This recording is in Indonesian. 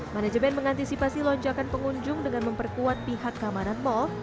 manajemen mengantisipasi lonjakan pengunjung dengan memperkuat pihak keamanan mal